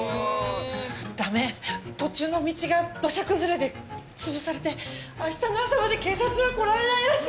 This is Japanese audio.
ダメ途中の道が土砂崩れでつぶされて明日の朝まで警察は来られないらしい。